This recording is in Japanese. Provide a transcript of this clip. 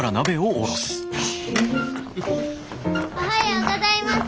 おはようございます。